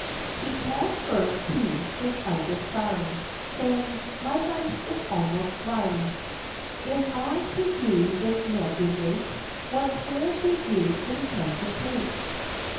He called first to his eldest son, Saying, 'My life is almost run; If I to you this mill do make, What toll do you intend to take?